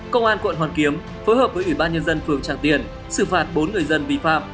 công an quận hoàn kiếm phối hợp với ủy ban nhân dân phường tràng tiền xử phạt bốn người dân vi phạm